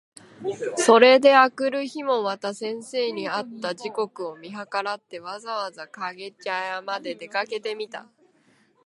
それで翌日（あくるひ）もまた先生に会った時刻を見計らって、わざわざ掛茶屋（かけぢゃや）まで出かけてみた。